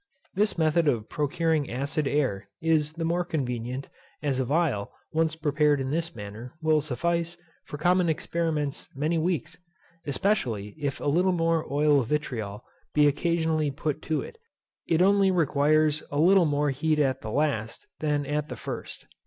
This method of procuring acid air is the more convenient, as a phial, once prepared in this manner, will suffice, for common experiments, many weeks; especially if a little more oil of vitriol be occasionally put to it. It only requires a little more heat at the last than at the first.